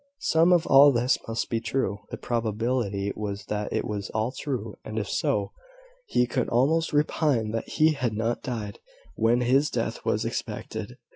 Some of all this must be true. The probability was that it was all true: and if so, he could almost repine that he had not died when his death was expected.